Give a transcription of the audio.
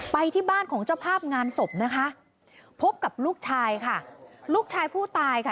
ไปที่บ้านของเจ้าภาพงานศพนะคะพบกับลูกชายค่ะลูกชายผู้ตายค่ะ